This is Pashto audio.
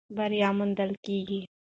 بری موندل کېږي.